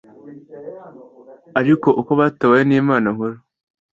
ariko uko batabawe n’Imana nkuru,